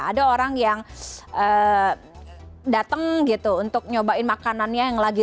ada orang yang datang gitu untuk nyobain makanannya yang lagi